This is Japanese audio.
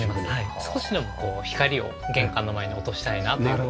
少しでも光を玄関の前に落としたいなというところで。